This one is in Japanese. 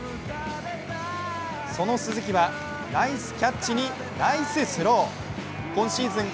その鈴木はナイスキャッチにナイススロー。